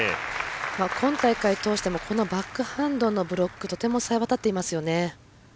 今大会通してもバックハンドのブロックとてもさえ渡っていますよね。